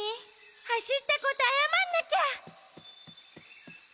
はしったことあやまんなきゃ！